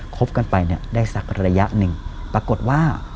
คบกันไปเนี่ยได้สักระยะหนึ่งปรากฏว่า